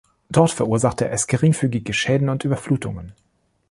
Dort verursachte es geringfügige Schäden und Überflutungen.